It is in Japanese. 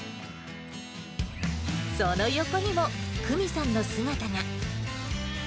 その横にも久美さんの姿が。